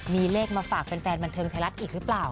มีเลขมาฝากแฟนบันเทิงไทยรัฐอีกหรือเปล่า